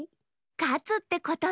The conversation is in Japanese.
かつってことね！